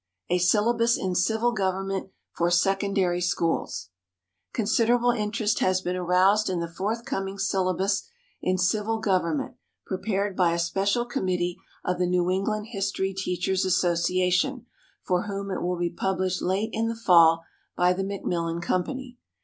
A Syllabus in Civil Government for Secondary Schools. Considerable interest has been aroused in the forthcoming syllabus in Civil Government prepared by a special committee of the New England History Teachers' Association, for whom it will be published late in the fall by the Macmillan Company.